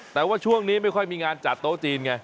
แต่ว่าช่วงนี้ไม่ค่อยมีงานจัดโต๊ะจีนไง